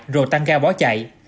rồi tăng gao bó chạy